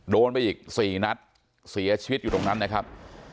โดนไปอีก๔นัดเสียชีวิตอยู่ตรงนั้นนะครับ